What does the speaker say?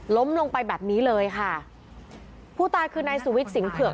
ล้มลงไปแบบนี้เลยค่ะผู้ตายคือนายสุวิทย์สิงหเผือก